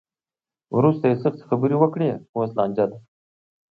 وروسته یې سختې خبرې وکړې؛ اوس لانجه ده.